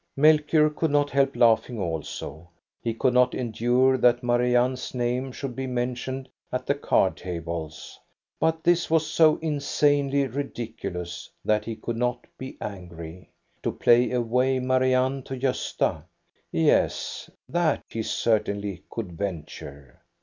Melchior could not help laughing also. He could not endure that Marianne's name should be men tioned at the card tables, but this was so insanely ridiculous that he could not be angry. To play away Marianne to Gosta, yes, that he certainly could venture.